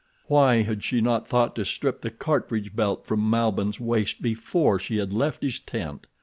Why had she not thought to strip the cartridge belt from Malbihn's waist before she had left his tent!